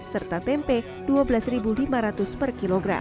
serta tempe rp dua belas lima ratus per kilogram